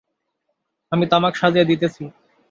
আমি তামাক সাজিয়া দিতেছি।